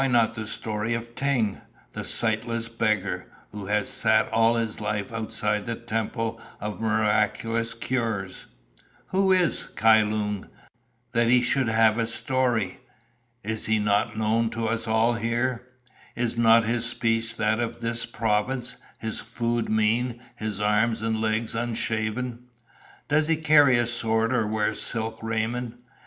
"Why not the story of Ting, the sightless beggar, who has sat all his life outside the Temple of Miraculous Cures? Who is Kai Lung, that he should have a story? Is he not known to us all here? Is not his speech that of this Province, his food mean, his arms and legs unshaven? Does he carry a sword or wear silk raiment?